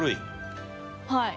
はい。